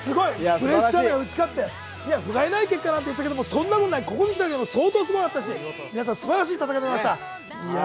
プレッシャーに打ち勝って、ふがいない結果だと言っていたけど、そんなもんじゃない、ここにきただけでも相当すごかったし、皆さんすばらしい戦いでした。